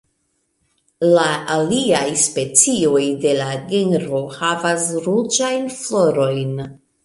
La aliaj specioj de la genro havas ruĝajn florojn.